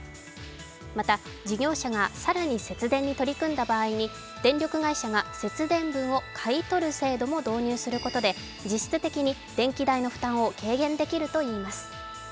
また、事業者が更に節電に取り組んだ場合に電力会社が節電分を買い取る制度も導入することで、実質的に電気代の負担を軽減できるといいます。